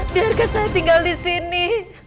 biarkan saya tinggal di sini